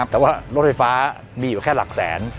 แต่ว่ารถไฟฟ้ามีอยู่แค่หลักแสน